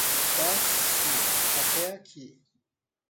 Passo até aqui.